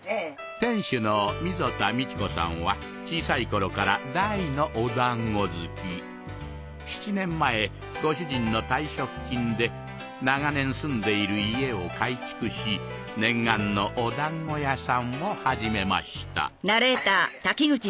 店主の溝田美智子さんは小さい頃から大のお団子好き７年前ご主人の退職金で長年住んでいる家を改築し念願のお団子屋さんを始めましたどうぞ。